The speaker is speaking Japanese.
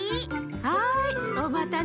はいおまたせ。